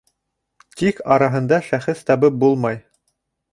Тик араһында шәхес табып булмай.